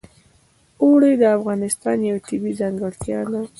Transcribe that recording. اوړي د افغانستان یوه طبیعي ځانګړتیا ده.